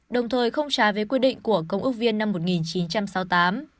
đồng thời không trá về quy định của công ước viên năm một nghìn chín trăm sáu mươi tám